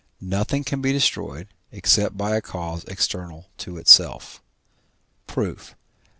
Nothing can be destroyed, except by a cause external to itself. Proof.